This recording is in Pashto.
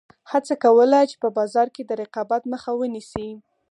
هڅه کوله چې په بازار کې د رقابت مخه ونیسي.